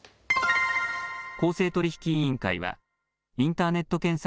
公正取引委員会はインターネット検索